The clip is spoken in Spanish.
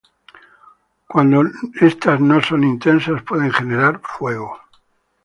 Cuando estas no son intensas pueden generar fuego.